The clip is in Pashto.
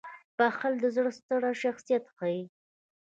• بخښل د زړه ستر شخصیت ښيي.